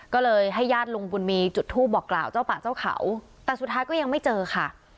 ก็เลยให้ญาติลุงบุญมีจุดทูปบอกกล่าวเจ้าป่าเจ้าเขาแต่สุดท้ายก็ยังไม่เจอค่ะ